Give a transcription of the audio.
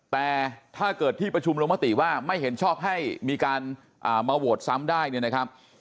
แต่ถ้าเกิดที่ประชุมลงมติว่าไม่เห็นชอบให้มีการมาโหวตซ้ำได้เนี่ยนะครับ